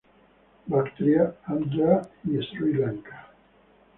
Bactria, Andhra y Sri Lanka.